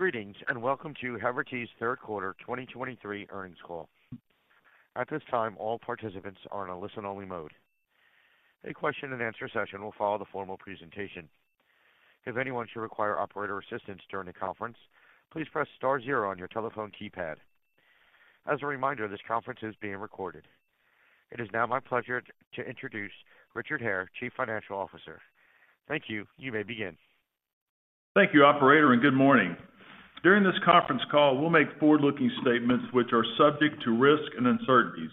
Greetings, and welcome to Third Quarter 2023 Earnings Call. At this time, all participants are in a listen-only mode. A question-and-answer session will follow the formal presentation. If anyone should require operator assistance during the conference, please press star zero on your telephone keypad. As a reminder, this conference is being recorded. It is now my pleasure to introduce Richard Hare, Chief Financial Officer. Thank you. You may begin. Thank you, operator, and good morning. During this conference call, we'll make forward-looking statements which are subject to risk and uncertainties.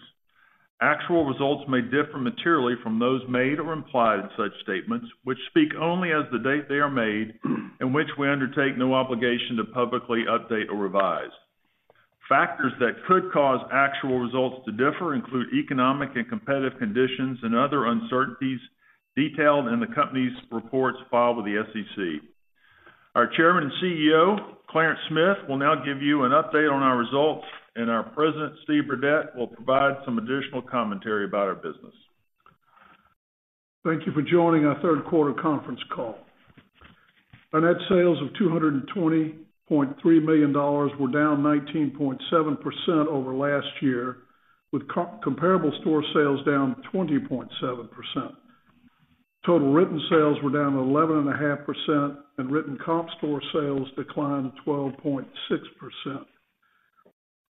Actual results may differ materially from those made or implied in such statements, which speak only as the date they are made, and which we undertake no obligation to publicly update or revise. Factors that could cause actual results to differ include economic and competitive conditions and other uncertainties detailed in the company's reports filed with the SEC. Our Chairman and CEO, Clarence Smith, will now give you an update on our results, and our President, Steve Burdette, will provide some additional commentary about our business. Thank you for joining our third quarter conference call. Our net sales of $200.3 million were down 19.7% over last year, with comparable store sales down 20.7%. Total written sales were down 11.5%, and written comp store sales declined 12.6%.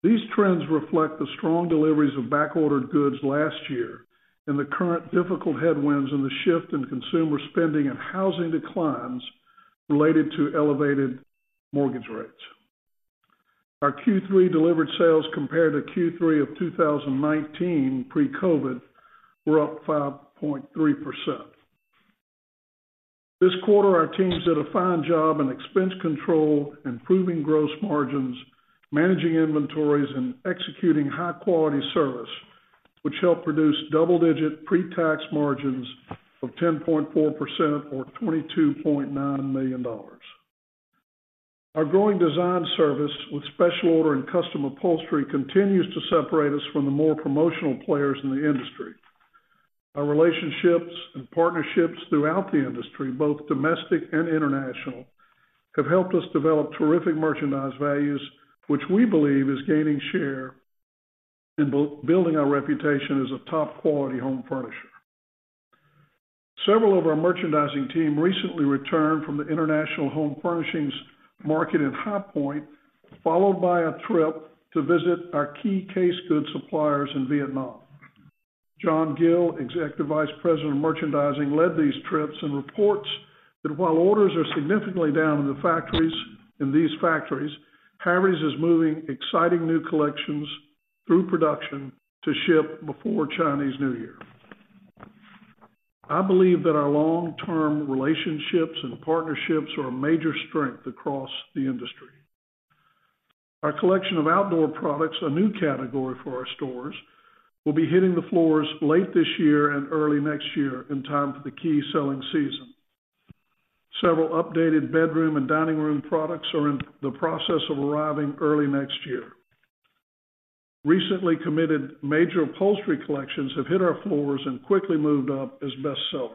These trends reflect the strong deliveries of backordered goods last year and the current difficult headwinds in the shift in consumer spending and housing declines related to elevated mortgage rates. Our Q3 delivered sales compared to Q3 of 2019, pre-COVID, were up 5.3%. This quarter, our teams did a fine job in expense control, improving gross margins, managing inventories, and executing high-quality service, which helped produce double-digit pre-tax margins of 10.4% or $22.9 million. Our growing design service with special order and custom upholstery continues to separate us from the more promotional players in the industry. Our relationships and partnerships throughout the industry, both domestic and international, have helped us develop terrific merchandise values, which we believe is gaining share and building our reputation as a top-quality home furnisher. Several of our merchandising team recently returned from the International Home Furnishings Market in High Point, followed by a trip to visit our key case goods suppliers in Vietnam. John Gill, Executive Vice President of Merchandising, led these trips and reports that while orders are significantly down in the factories, in these factories, Havertys is moving exciting new collections through production to ship before Chinese New Year. I believe that our long-term relationships and partnerships are a major strength across the industry. Our collection of outdoor products, a new category for our stores, will be hitting the floors late this year and early next year, in time for the key selling season. Several updated bedroom and dining room products are in the process of arriving early next year. Recently committed major upholstery collections have hit our floors and quickly moved up as best sellers.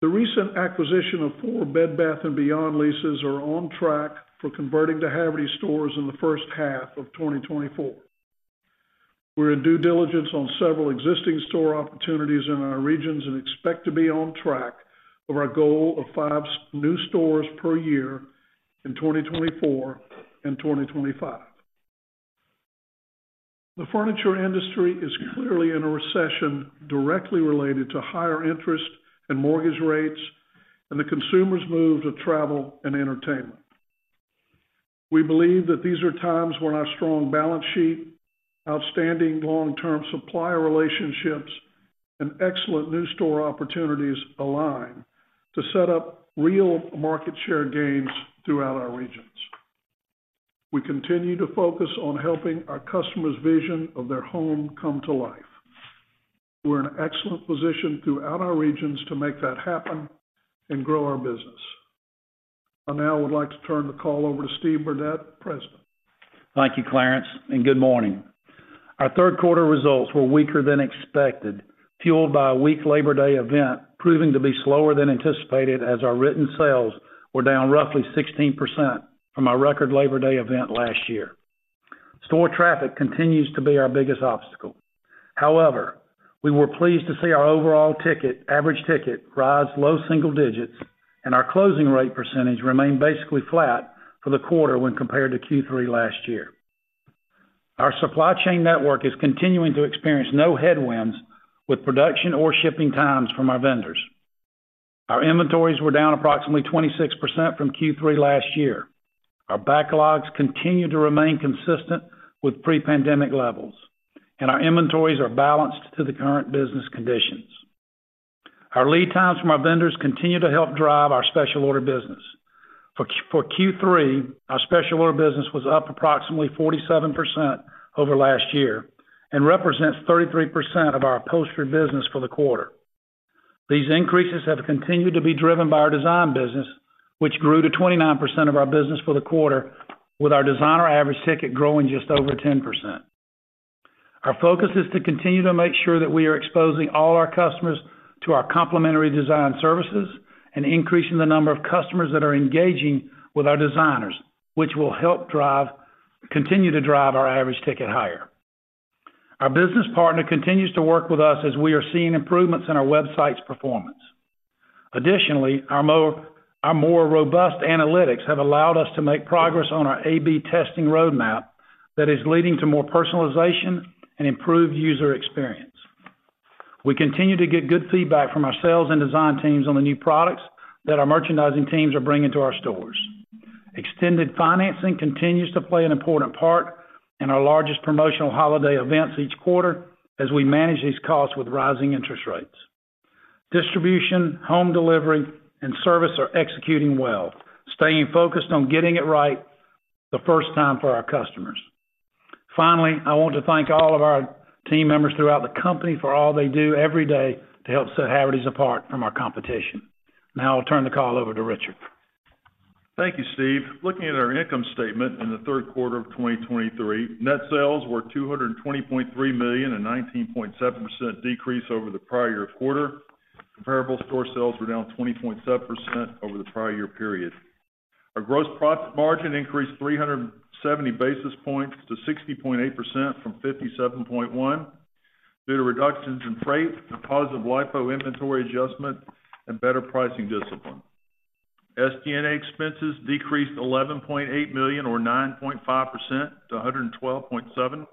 The recent acquisition of 4 Bed Bath & Beyond leases are on track for converting to Havertys stores in the first half of 2024. We're in due diligence on several existing store opportunities in our regions and expect to be on track of our goal of 5 new stores per year in 2024 and 2025. The furniture industry is clearly in a recession directly related to higher interest and mortgage rates, and the consumers move to travel and entertainment. We believe that these are times when our strong balance sheet, outstanding long-term supplier relationships, and excellent new store opportunities align to set up real market share gains throughout our regions. We continue to focus on helping our customers' vision of their home come to life. We're in an excellent position throughout our regions to make that happen and grow our business. I now would like to turn the call over to Steve Burdette, President. Thank you, Clarence, and good morning. Our third quarter results were weaker than expected, fueled by a weak Labor Day event, proving to be slower than anticipated as our written sales were down roughly 16% from our record Labor Day event last year. Store traffic continues to be our biggest obstacle. However, we were pleased to see our overall ticket, average ticket, rise low single digits, and our closing rate percentage remained basically flat for the quarter when compared to Q3 last year. Our supply chain network is continuing to experience no headwinds with production or shipping times from our vendors. Our inventories were down approximately 26% from Q3 last year. Our backlogs continue to remain consistent with pre-pandemic levels, and our inventories are balanced to the current business conditions. Our lead times from our vendors continue to help drive our special order business. For Q3, our special order business was up approximately 47% over last year and represents 33% of our upholstery business for the quarter. These increases have continued to be driven by our design business, which grew to 29% of our business for the quarter, with our designer average ticket growing just over 10%.... Our focus is to continue to make sure that we are exposing all our customers to our complimentary design services and increasing the number of customers that are engaging with our designers, which will help drive—continue to drive our average ticket higher. Our business partner continues to work with us as we are seeing improvements in our website's performance. Additionally, our more robust analytics have allowed us to make progress on our A/B testing roadmap that is leading to more personalization and improved user experience. We continue to get good feedback from our sales and design teams on the new products that our merchandising teams are bringing to our stores. Extended financing continues to play an important part in our largest promotional holiday events each quarter, as we manage these costs with rising interest rates. Distribution, home delivery, and service are executing well, staying focused on getting it right the first time for our customers. Finally, I want to thank all of our team members throughout the company for all they do every day to help set Havertys apart from our competition. Now I'll turn the call over to Richard. Thank you, Steve. Looking at our income statement in the third quarter of 2023, net sales were $220.3 million, a 19.7% decrease over the prior year quarter. Comparable store sales were down 20.7% over the prior year period. Our gross profit margin increased 370 basis points to 60.8% from 57.1%, due to reductions in freight and positive LIFO inventory adjustment and better pricing discipline. SG&A expenses decreased $11.8 million, or 9.5% to $112.7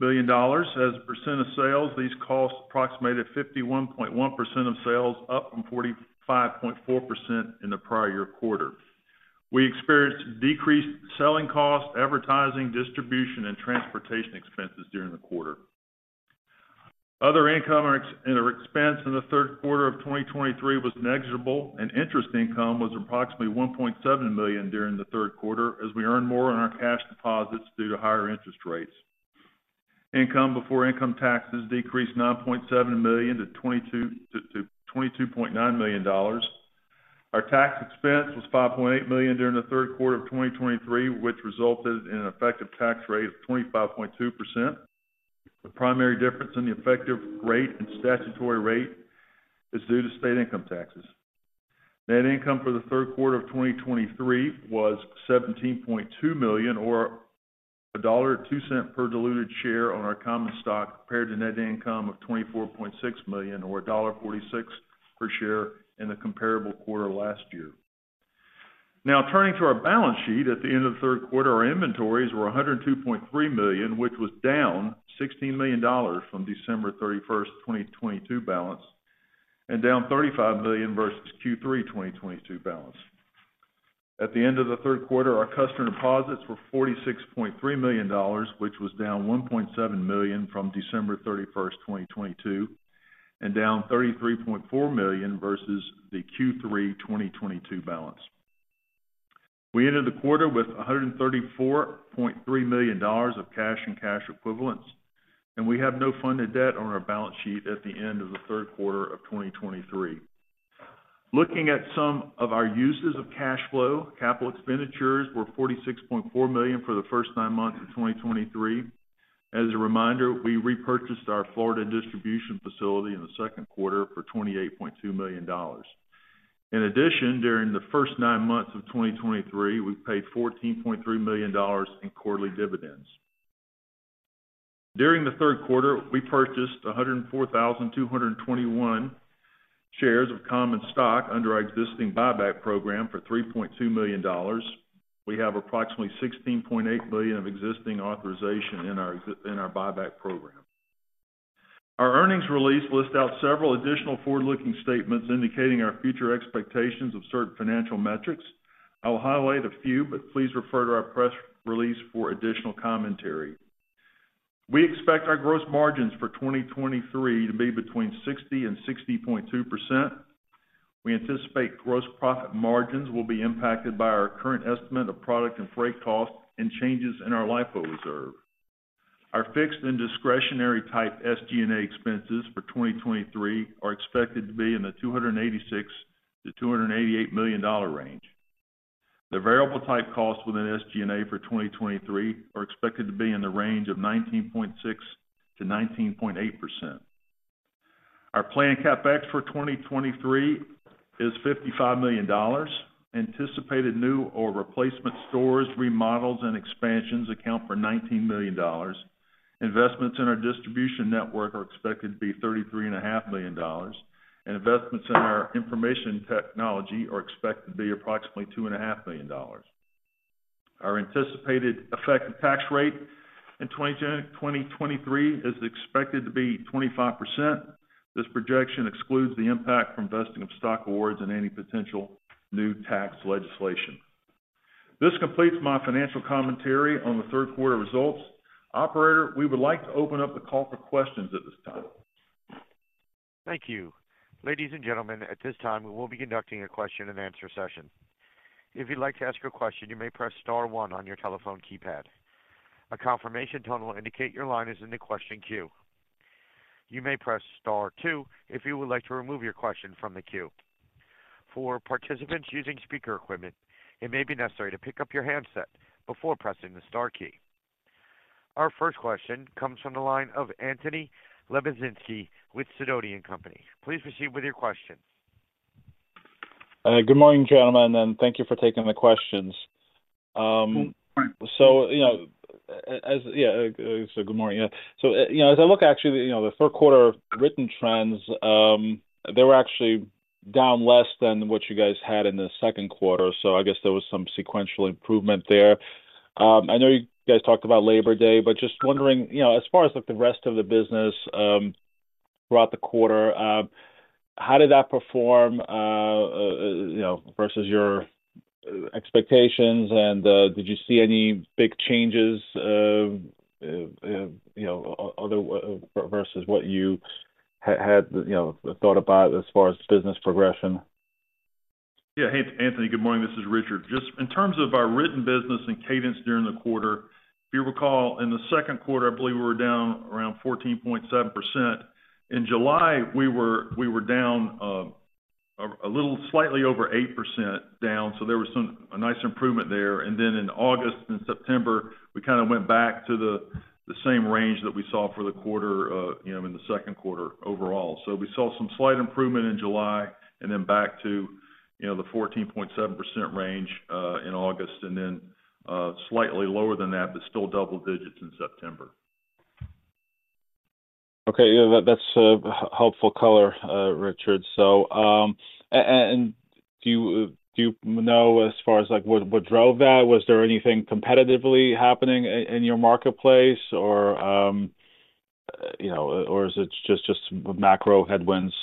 million. As a percent of sales, these costs approximated 51.1% of sales, up from 45.4% in the prior year quarter. We experienced decreased selling costs, advertising, distribution, and transportation expenses during the quarter. Other income and expense in the third quarter of 2023 was negligible, and interest income was approximately $1.7 million during the third quarter, as we earned more on our cash deposits due to higher interest rates. Income before income taxes decreased $9.7 million to $22.9 million. Our tax expense was $5.8 million during the third quarter of 2023, which resulted in an effective tax rate of 25.2%. The primary difference in the effective rate and statutory rate is due to state income taxes. Net income for the third quarter of 2023 was $17.2 million, or $1.02 per diluted share on our common stock, compared to net income of $24.6 million, or $1.46 per share in the comparable quarter last year. Now, turning to our balance sheet. At the end of the third quarter, our inventories were $102.3 million, which was down $16 million from December 31, 2022 balance, and down $35 million versus Q3 2022 balance. At the end of the third quarter, our customer deposits were $46.3 million, which was down $1.7 million from December 31, 2022, and down $33.4 million versus the Q3 2022 balance. We ended the quarter with $134.3 million of cash and cash equivalents, and we have no funded debt on our balance sheet at the end of the third quarter of 2023. Looking at some of our uses of cash flow, capital expenditures were $46.4 million for the first nine months of 2023. As a reminder, we repurchased our Florida distribution facility in the second quarter for $28.2 million. In addition, during the first nine months of 2023, we paid $14.3 million in quarterly dividends. During the third quarter, we purchased 104,221 shares of common stock under our existing buyback program for $3.2 million. We have approximately $16.8 million of existing authorization in our buyback program. Our earnings release lists out several additional forward-looking statements indicating our future expectations of certain financial metrics. I will highlight a few, but please refer to our press release for additional commentary. We expect our gross margins for 2023 to be between 60% and 60.2%. We anticipate gross profit margins will be impacted by our current estimate of product and freight costs and changes in our LIFO reserve. Our fixed and discretionary type SG&A expenses for 2023 are expected to be in the $286 million-$288 million range. The variable type costs within SG&A for 2023 are expected to be in the range of 19.6%-19.8%. Our planned CapEx for 2023 is $55 million. Anticipated new or replacement stores, remodels, and expansions account for $19 million. Investments in our distribution network are expected to be $33.5 million, and investments in our information technology are expected to be approximately $2.5 million. Our anticipated effective tax rate in 2023 is expected to be 25%. This projection excludes the impact from vesting of stock awards and any potential new tax legislation. This completes my financial commentary on the third quarter results. Operator, we would like to open up the call for questions at this time. Thank you. Ladies and gentlemen, at this time, we will be conducting a question-and-answer session. If you'd like to ask a question, you may press star one on your telephone keypad. A confirmation tone will indicate your line is in the question queue.... You may press star two if you would like to remove your question from the queue. For participants using speaker equipment, it may be necessary to pick up your handset before pressing the star key. Our first question comes from the line of Anthony Lebiedzinski with Sidoti & Company. Please proceed with your question. Good morning, gentlemen, and thank you for taking the questions. So, you know, so good morning. So, you know, as I look, actually, you know, the third quarter written trends, they were actually down less than what you guys had in the second quarter, so I guess there was some sequential improvement there. I know you guys talked about Labor Day, but just wondering, you know, as far as, like, the rest of the business, throughout the quarter, how did that perform, you know, versus your expectations? And did you see any big changes of, you know, other versus what you had, you know, thought about as far as business progression? Yeah. Hey, Anthony, good morning. This is Richard. Just in terms of our written business and cadence during the quarter, if you recall, in the second quarter, I believe we were down around 14.7%. In July, we were down a little slightly over 8% down, so there was a nice improvement there. And then in August and September, we kind of went back to the same range that we saw for the quarter, you know, in the second quarter overall. So we saw some slight improvement in July and then back to, you know, the 14.7% range in August, and then slightly lower than that, but still double-digits in September. Okay, yeah, that's helpful color, Richard. So, and do you know, as far as like what drove that? Was there anything competitively happening in your marketplace or, you know, or is it just macro headwinds?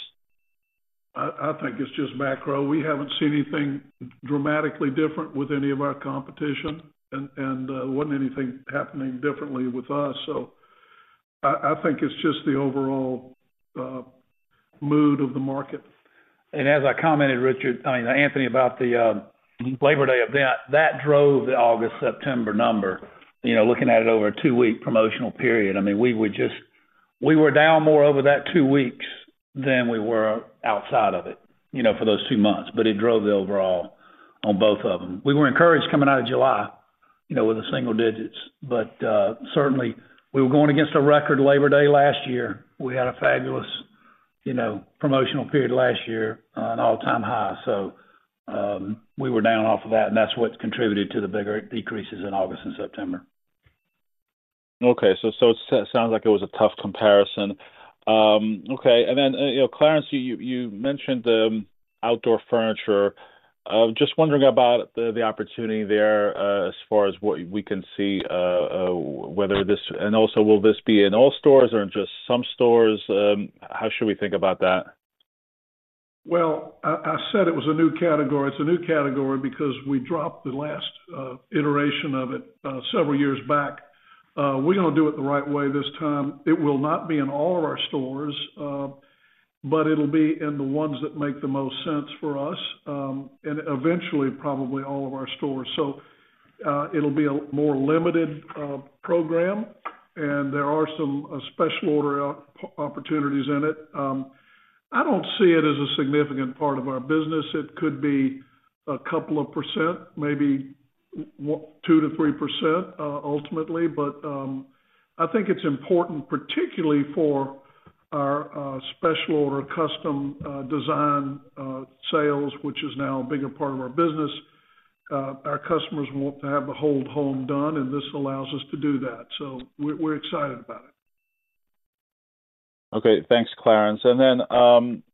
I think it's just macro. We haven't seen anything dramatically different with any of our competition, and wasn't anything happening differently with us. So I think it's just the overall mood of the market. And as I commented, Richard, I mean, Anthony, about the Labor Day event, that drove the August, September number. You know, looking at it over a two-week promotional period, I mean, we were just, we were down more over that two weeks than we were outside of it, you know, for those two months, but it drove the overall on both of them. We were encouraged coming out of July, you know, with the single digits, but certainly we were going against a record Labor Day last year. We had a fabulous, you know, promotional period last year, an all-time high. So, we were down off of that, and that's what contributed to the bigger decreases in August and September. Okay. So it sounds like it was a tough comparison. Okay. And then, you know, Clarence, you mentioned the outdoor furniture. Just wondering about the opportunity there, as far as what we can see, whether this... And also, will this be in all stores or in just some stores? How should we think about that? Well, I said it was a new category. It's a new category because we dropped the last iteration of it several years back. We're gonna do it the right way this time. It will not be in all of our stores, but it'll be in the ones that make the most sense for us, and eventually, probably all of our stores. So, it'll be a more limited program, and there are some special order opportunities in it. I don't see it as a significant part of our business. It could be a couple of %, maybe 2%-3%, ultimately. But I think it's important, particularly for our special or custom design sales, which is now a bigger part of our business. Our customers want to have the whole home done, and this allows us to do that. So we're excited about it. Okay, thanks, Clarence. And then,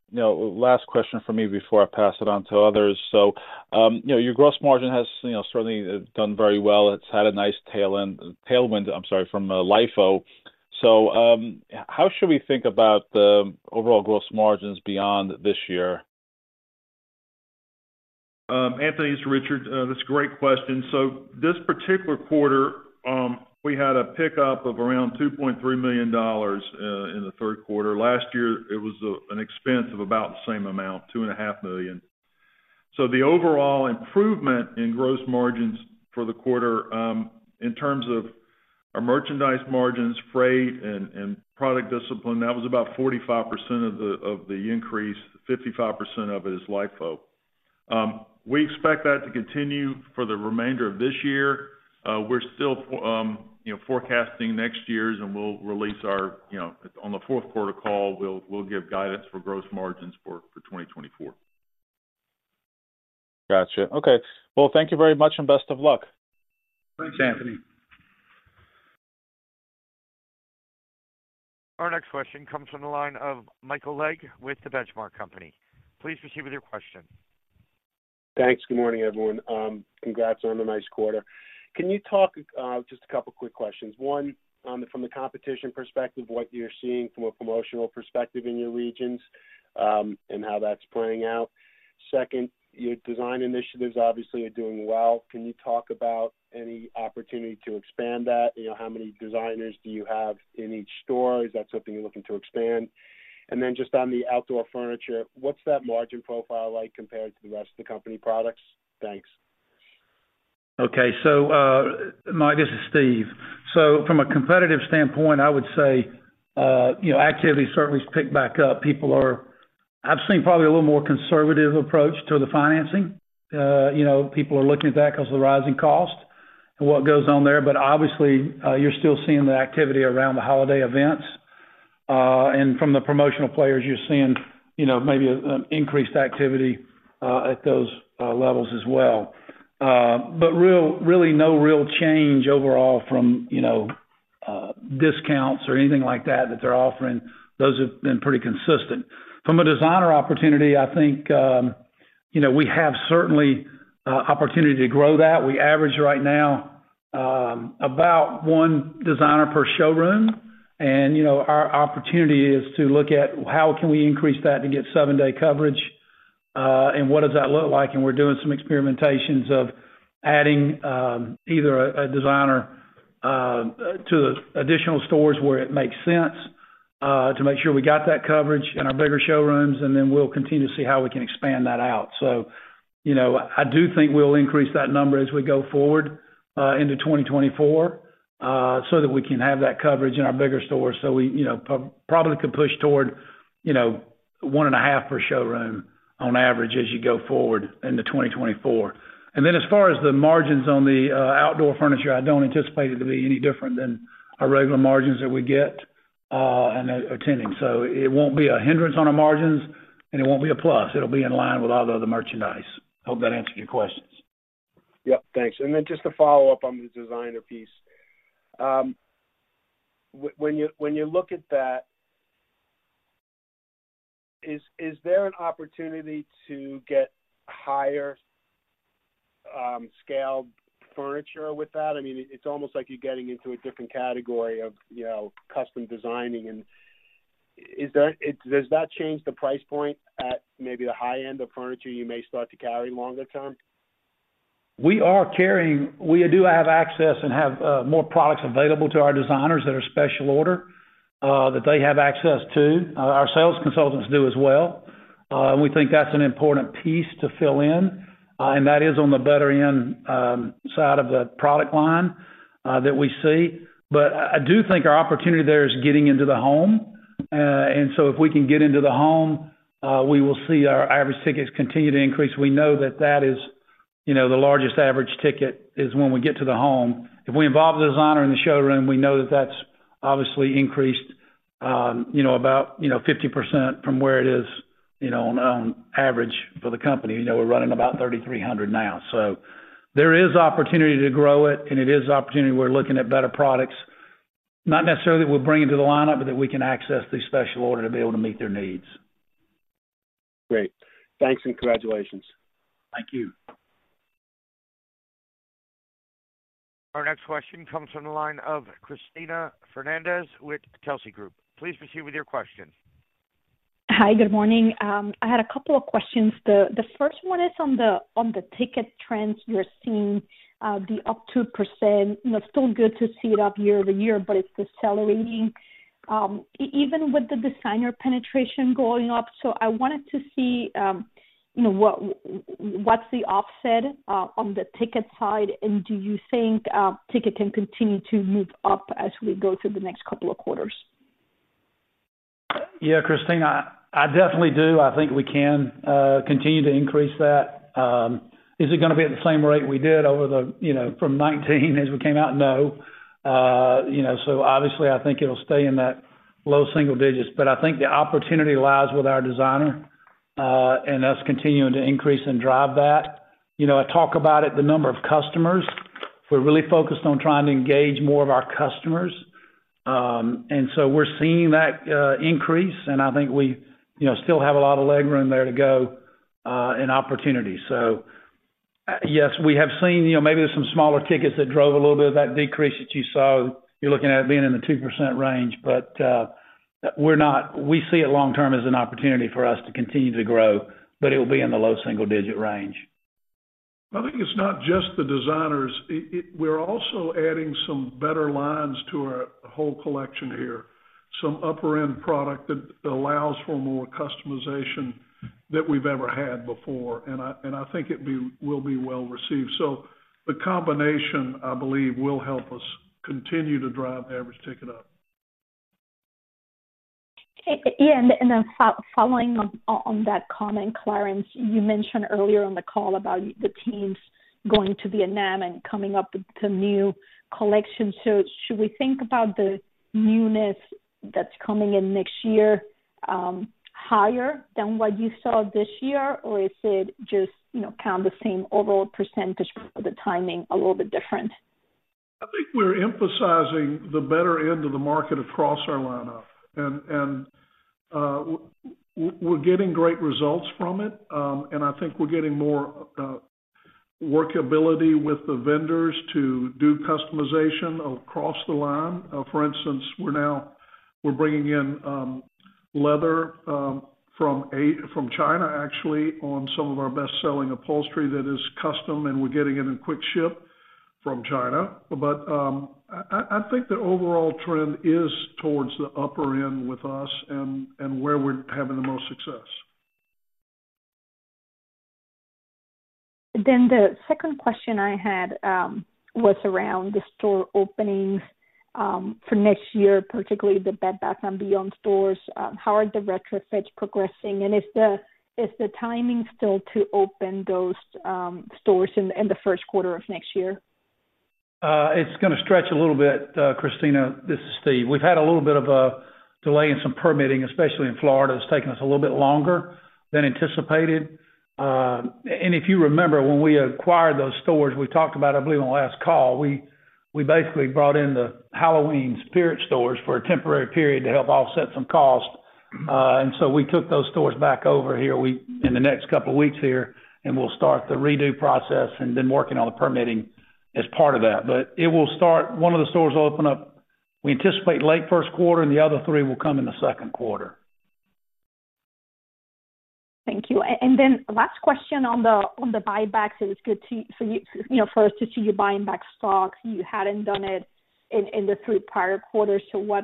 you know, last question from me before I pass it on to others. So, you know, your gross margin has, you know, certainly done very well. It's had a nice tail end, tailwind, I'm sorry, from LIFO. So, how should we think about the overall gross margins beyond this year? Anthony, it's Richard. That's a great question. So this particular quarter, we had a pickup of around $2.3 million in the third quarter. Last year, it was an expense of about the same amount, $2.5 million. So the overall improvement in gross margins for the quarter, in terms of our merchandise margins, freight, and product discipline, that was about 45% of the increase. 55% of it is LIFO. We expect that to continue for the remainder of this year. We're still, you know, forecasting next year's, and we'll release our, you know, on the fourth quarter call, we'll give guidance for gross margins for 2024. Gotcha. Okay. Well, thank you very much, and best of luck. Thanks, Anthony. Our next question comes from the line of Michael Legg with The Benchmark Company. Please proceed with your question. Thanks. Good morning, everyone. Congrats on a nice quarter. Can you talk about just a couple quick questions? One, from a competition perspective, what you're seeing from a promotional perspective in your regions, and how that's playing out? Second, your design initiatives obviously are doing well. Can you talk about any opportunity to expand that? You know, how many designers do you have in each store? Is that something you're looking to expand? And then just on the outdoor furniture, what's that margin profile like compared to the rest of the company products? Thanks.... Okay. So, Mike, this is Steve. So from a competitive standpoint, I would say, you know, activity certainly has picked back up. I've seen probably a little more conservative approach to the financing. You know, people are looking at that because of the rising cost and what goes on there. But obviously, you're still seeing the activity around the holiday events. And from the promotional players, you're seeing, you know, maybe, an increased activity, at those levels as well. But really no real change overall from, you know, discounts or anything like that, that they're offering. Those have been pretty consistent. From a designer opportunity, I think, you know, we have certainly opportunity to grow that. We average right now about one designer per showroom, and, you know, our opportunity is to look at how can we increase that to get seven-day coverage, and what does that look like? And we're doing some experimentations of adding either a designer to additional stores where it makes sense to make sure we got that coverage in our bigger showrooms, and then we'll continue to see how we can expand that out. So, you know, I do think we'll increase that number as we go forward into 2024, so that we can have that coverage in our bigger stores. So we, you know, probably could push toward, you know, one and a half per showroom on average as you go forward into 2024. And then as far as the margins on the outdoor furniture, I don't anticipate it to be any different than our regular margins that we get and intended. So it won't be a hindrance on our margins, and it won't be a plus. It'll be in line with all the other merchandise. Hope that answered your questions. Yep, thanks. And then just to follow up on the designer piece. When you look at that, is there an opportunity to get higher scaled furniture with that? I mean, it's almost like you're getting into a different category of, you know, custom designing. And does that change the price point at maybe the high end of furniture you may start to carry longer term? We do have access and have more products available to our designers that are special order, that they have access to. Our sales consultants do as well. We think that's an important piece to fill in, and that is on the better end side of the product line that we see. But I, I do think our opportunity there is getting into the home. And so if we can get into the home, we will see our average tickets continue to increase. We know that that is, you know, the largest average ticket, is when we get to the home. If we involve the designer in the showroom, we know that that's obviously increased, you know, about, you know, 50% from where it is, you know, on, on average for the company. You know, we're running about 3,300 now. So there is opportunity to grow it, and it is opportunity we're looking at better products. Not necessarily that we're bringing to the lineup, but that we can access the special order to be able to meet their needs. Great. Thanks, and congratulations. Thank you. Our next question comes from the line of Cristina Fernandez with Telsey Advisory Group. Please proceed with your question. Hi, good morning. I had a couple of questions. The first one is on the ticket trends you're seeing, the up 2%. You know, still good to see it up year-over-year, but it's decelerating, even with the designer penetration going up. So I wanted to see, you know, what, what's the offset on the ticket side, and do you think ticket can continue to move up as we go through the next couple of quarters? Yeah, Cristina, I definitely do. I think we can continue to increase that. Is it gonna be at the same rate we did over the, you know, from 2019 as we came out? No. You know, so obviously, I think it'll stay in that low single digits. But I think the opportunity lies with our designer and us continuing to increase and drive that. You know, I talk about it, the number of customers. We're really focused on trying to engage more of our customers. And so we're seeing that increase, and I think we, you know, still have a lot of legroom there to go and opportunity. So, yes, we have seen, you know, maybe there's some smaller tickets that drove a little bit of that decrease that you saw. You're looking at it being in the 2% range, but we see it long term as an opportunity for us to continue to grow, but it will be in the low single-digit range. I think it's not just the designers. We're also adding some better lines to our whole collection here, some upper-end product that allows for more customization that we've ever had before, and I think it will be well received. So the combination, I believe, will help us continue to drive average ticket up. Okay. Yeah, and then following on that comment, Clarence, you mentioned earlier on the call about the teams going to Vietnam and coming up with some new collections. So should we think about the newness that's coming in next year higher than what you saw this year? Or is it just, you know, count the same overall percentage, but the timing a little bit different? I think we're emphasizing the better end of the market across our lineup, and we're getting great results from it. And I think we're getting more workability with the vendors to do customization across the line. For instance, we're now bringing in leather from China, actually, on some of our best-selling upholstery that is custom, and we're getting it in quick ship from China. But I think the overall trend is towards the upper end with us and where we're having the most success.... Then the second question I had was around the store openings for next year, particularly the Bed Bath & Beyond stores. How are the retrofits progressing? And is the timing still to open those stores in the first quarter of next year? It's gonna stretch a little bit, Cristina. This is Steve. We've had a little bit of a delay in some permitting, especially in Florida. It's taken us a little bit longer than anticipated. And if you remember, when we acquired those stores, we talked about, I believe, on the last call, we basically brought in the Halloween Spirit stores for a temporary period to help offset some costs. And so we took those stores back over here. In the next couple of weeks here, and we'll start the redo process and then working on the permitting as part of that. But it will start. One of the stores will open up, we anticipate, late first quarter, and the other three will come in the second quarter. Thank you. And then last question on the buybacks. It's good to, for you, you know, for us to see you buying back stocks. You hadn't done it in the three prior quarters, so what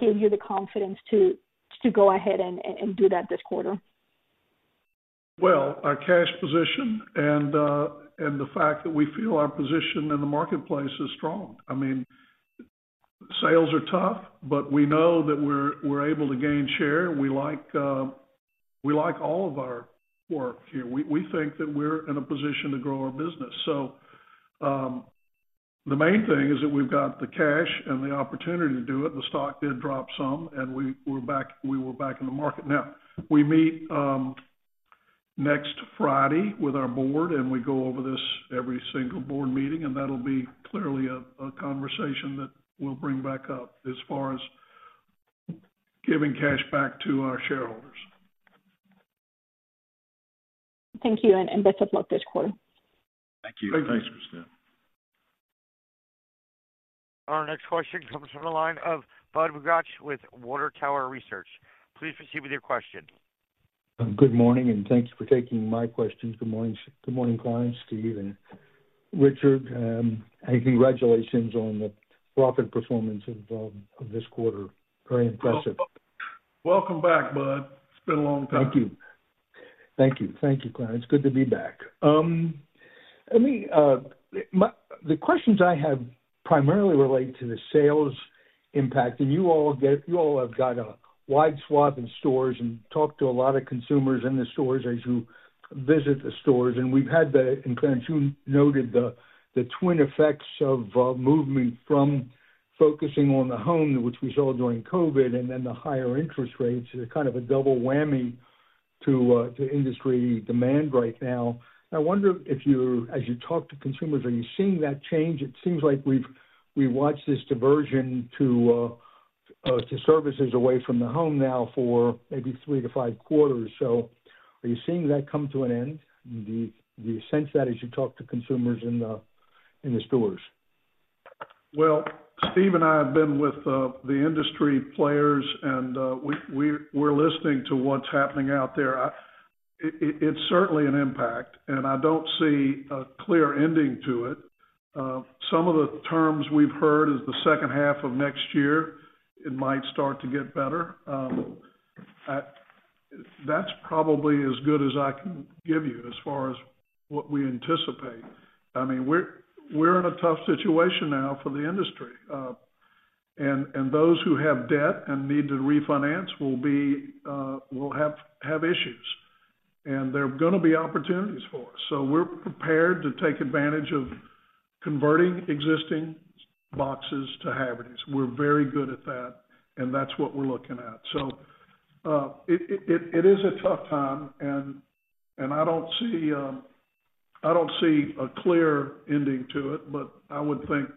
gave you the confidence to go ahead and do that this quarter? Well, our cash position and the fact that we feel our position in the marketplace is strong. I mean, sales are tough, but we know that we're able to gain share. We like, we like all of our work here. We think that we're in a position to grow our business. So, the main thing is that we've got the cash and the opportunity to do it. The stock did drop some, and we're back, we were back in the market. Now, we meet next Friday with our board, and we go over this every single board meeting, and that'll be clearly a conversation that we'll bring back up as far as giving cash back to our shareholders. Thank you, and best of luck this quarter. Thank you. Thanks, Cristina. Our next question comes from the line of Bud Bugatch with Water Tower Research. Please proceed with your question. Good morning, and thanks for taking my questions. Good morning, Clarence, Steve and Richard, and congratulations on the profit performance of this quarter. Very impressive. Welcome back, Bud. It's been a long time. Thank you. Thank you. Thank you, Clarence. It's good to be back. Let me, the questions I have primarily relate to the sales impact. And you all have got a wide swath in stores and talk to a lot of consumers in the stores as you visit the stores. And we've had the, and Clarence, you noted the, the twin effects of movement from focusing on the home, which we saw during COVID, and then the higher interest rates, kind of a double whammy to to industry demand right now. I wonder if as you talk to consumers, are you seeing that change? It seems like we've, we've watched this diversion to to services away from the home now for maybe 3-5 quarters. So are you seeing that come to an end? Do you sense that as you talk to consumers in the stores? Well, Steve and I have been with the industry players, and we’re listening to what’s happening out there. It’s certainly an impact, and I don’t see a clear ending to it. Some of the terms we’ve heard is the second half of next year, it might start to get better. That’s probably as good as I can give you as far as what we anticipate. I mean, we’re in a tough situation now for the industry, and those who have debt and need to refinance will have issues. And there are gonna be opportunities for us. So we’re prepared to take advantage of converting existing boxes to Havertys. We’re very good at that, and that’s what we’re looking at. It is a tough time, and I don't see a clear ending to it, but I would think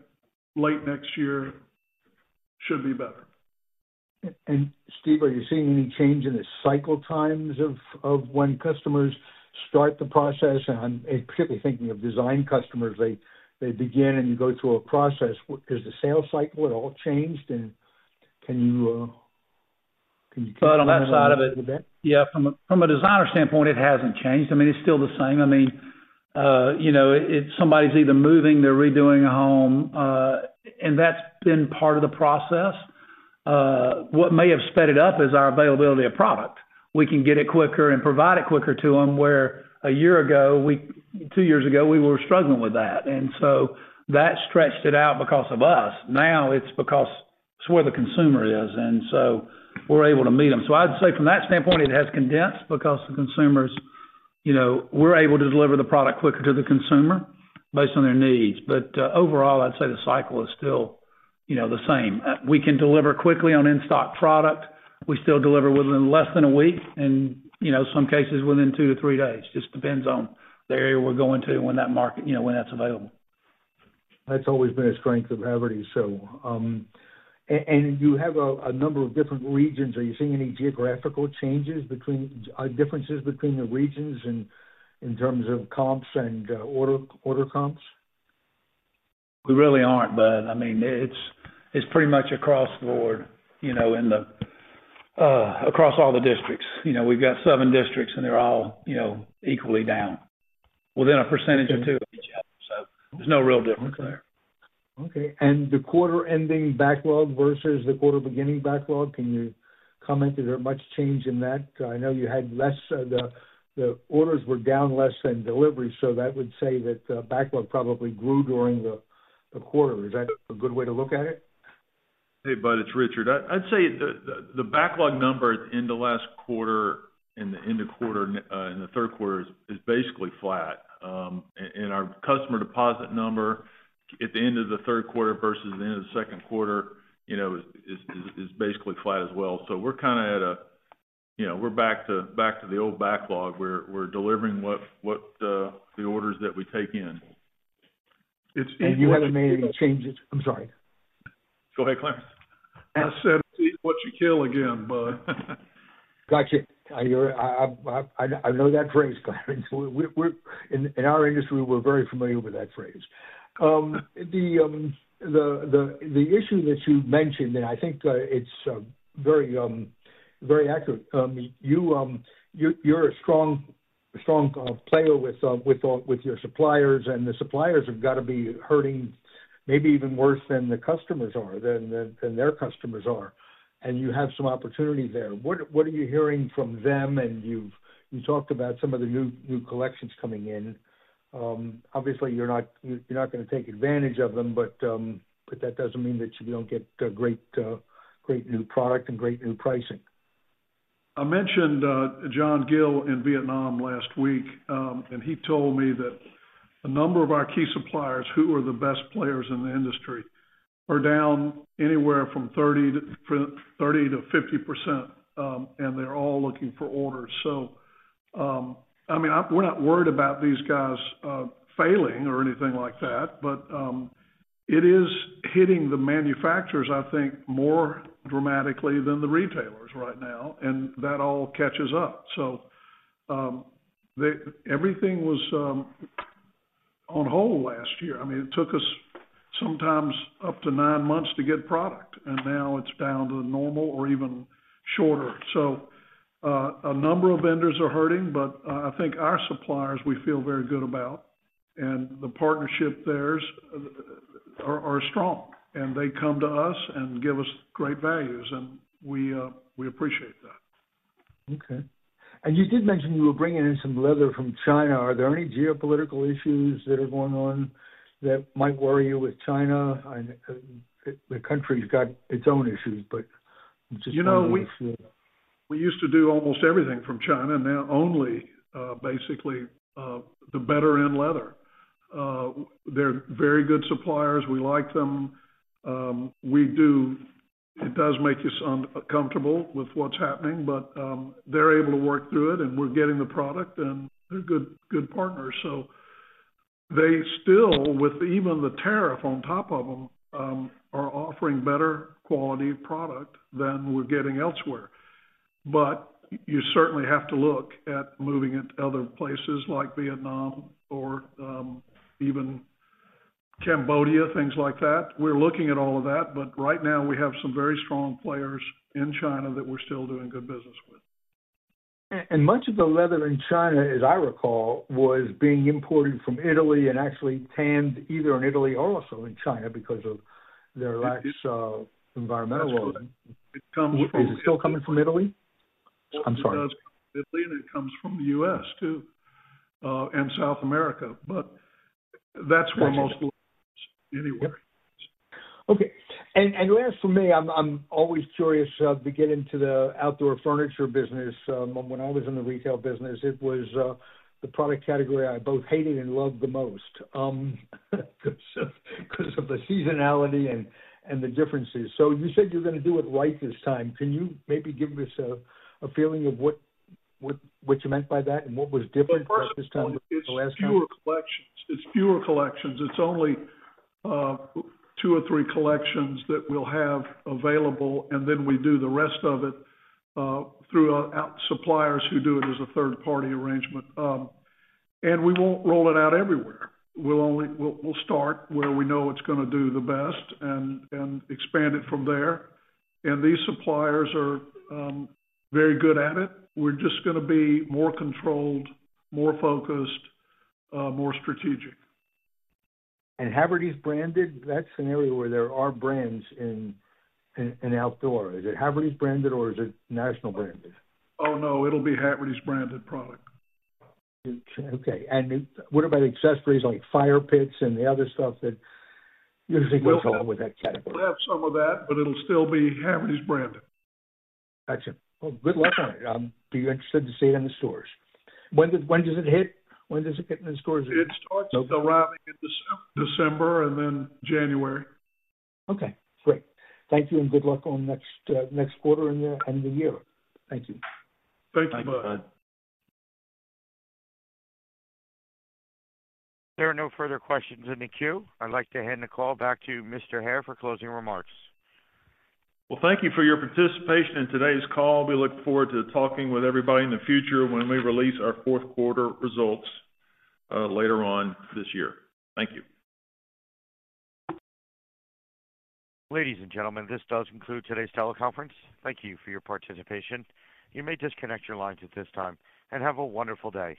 late next year should be better. Steve, are you seeing any change in the cycle times of when customers start the process? And I'm particularly thinking of design customers. They begin, and you go through a process. Has the sales cycle at all changed, and can you can you- But on that side of it. Yeah, from a designer standpoint, it hasn't changed. I mean, it's still the same. I mean, you know, it's somebody's either moving, they're redoing a home, and that's been part of the process. What may have sped it up is our availability of product. We can get it quicker and provide it quicker to them, where a year ago, we, two years ago, we were struggling with that. And so that stretched it out because of us. Now, it's because it's where the consumer is, and so we're able to meet them. So I'd say from that standpoint, it has condensed because the consumers, you know, we're able to deliver the product quicker to the consumer based on their needs. But overall, I'd say the cycle is still, you know, the same. We can deliver quickly on in-stock product. We still deliver within less than a week, and, you know, some cases within 2-3 days. Just depends on the area we're going to when that market, you know, when that's available. That's always been a strength of Havertys, so, and you have a number of different regions. Are you seeing any geographical changes between differences between the regions in terms of comps and order comps? We really aren't, Bud. I mean, it's, it's pretty much across the board, you know, in the, across all the districts. You know, we've got seven districts, and they're all, you know, equally down, within a percentage or two of each other.... There's no real difference there. Okay. And the quarter-ending backlog versus the quarter-beginning backlog, can you comment, is there much change in that? I know you had less the orders were down less than delivery, so that would say that backlog probably grew during the quarter. Is that a good way to look at it? Hey, Bud, it's Richard. I'd say the backlog number in the last quarter, in the end of quarter, in the third quarter is basically flat. And our customer deposit number at the end of the third quarter versus the end of the second quarter, you know, is basically flat as well. So we're kind of at a -- you know, we're back to the old backlog. We're delivering what the orders that we take in. It's- You haven't made any changes? I'm sorry. Go ahead, Clarence. I said, eat what you kill again, Bud. Gotcha. I hear it. I know that phrase, Clarence. We're in our industry, we're very familiar with that phrase. The issue that you mentioned, and I think it's very accurate. You're a strong player with your suppliers, and the suppliers have got to be hurting maybe even worse than the customers are, than their customers are. And you have some opportunity there. What are you hearing from them? And you've talked about some of the new collections coming in. Obviously, you're not gonna take advantage of them, but that doesn't mean that you don't get great new product and great new pricing. I mentioned John Gill in Vietnam last week, and he told me that a number of our key suppliers, who are the best players in the industry, are down anywhere from 30 to, from 30 to 50%, and they're all looking for orders. So, I mean, we're not worried about these guys failing or anything like that, but it is hitting the manufacturers, I think, more dramatically than the retailers right now, and that all catches up. So, everything was on hold last year. I mean, it took us sometimes up to 9 months to get product, and now it's down to the normal or even shorter. So, a number of vendors are hurting, but, I think our suppliers, we feel very good about, and the partnership theirs are, are strong, and they come to us and give us great values, and we, we appreciate that. Okay. And you did mention you were bringing in some leather from China. Are there any geopolitical issues that are going on that might worry you with China? I know, the country's got its own issues, but just- You know, we used to do almost everything from China. Now only basically the better-end leather. They're very good suppliers. We like them. It does make you sound comfortable with what's happening, but they're able to work through it, and we're getting the product, and they're good, good partners. So they still, with even the tariff on top of them, are offering better quality product than we're getting elsewhere. But you certainly have to look at moving it to other places like Vietnam or even Cambodia, things like that. We're looking at all of that, but right now we have some very strong players in China that we're still doing good business with. Much of the leather in China, as I recall, was being imported from Italy and actually tanned either in Italy or also in China because of their lack of environmental. That's right. It comes from- Is it still coming from Italy? I'm sorry. It does. Italy, and it comes from the U.S., too, and South America. But that's where most- Gotcha. Anyway. Okay. And last for me, I'm always curious to get into the outdoor furniture business. When I was in the retail business, it was the product category I both hated and loved the most, because of the seasonality and the differences. So you said you're gonna do it right this time. Can you maybe give us a feeling of what you meant by that, and what was different this time than the last time? It's fewer collections. It's fewer collections. It's only two or three collections that we'll have available, and then we do the rest of it through our out suppliers who do it as a third-party arrangement. And we won't roll it out everywhere. We'll only start where we know it's gonna do the best and expand it from there. And these suppliers are very good at it. We're just gonna be more controlled, more focused, more strategic. Havertys branded? That scenario where there are brands in outdoor, is it Havertys branded or is it national branded? Oh, no, it'll be Havertys branded product. Okay. What about accessories like fire pits and the other stuff that usually go along with that category? We'll have some of that, but it'll still be Havertys branded. Gotcha. Well, good luck on it. Be interested to see it in the stores. When does it hit? When does it get in the stores? It starts arriving in December and then January. Okay, great. Thank you and good luck on next quarter and the year. Thank you. Thank you, Bud. There are no further questions in the queue. I'd like to hand the call back to Mr. Hare for closing remarks. Well, thank you for your participation in today's call. We look forward to talking with everybody in the future when we release our fourth quarter results, later on this year. Thank you. Ladies and gentlemen, this does conclude today's teleconference. Thank you for your participation. You may disconnect your lines at this time, and have a wonderful day.